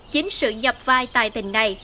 chính sự nhập vai tài tình này